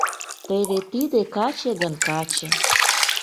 Теве тиде каче гын, каче!